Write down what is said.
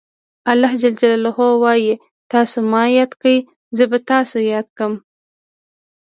الله ج وایي تاسو ما یاد کړئ زه به تاسې یاد کړم.